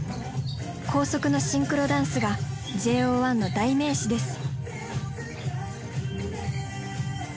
高速のシンクロダンスがＪＯ１の代名詞です。